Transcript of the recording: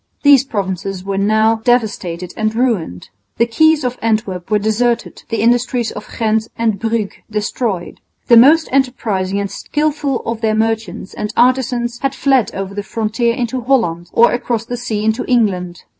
These provinces were now devastated and ruined. The quays of Antwerp were deserted, the industries of Ghent and Bruges destroyed. The most enterprising and skilful of their merchants and artisans had fled over the frontier into Holland or across the sea into England.